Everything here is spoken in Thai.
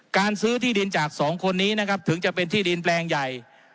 การซื้อที่ดินจากสองคนนี้นะครับถึงจะเป็นที่ดินแปลงใหญ่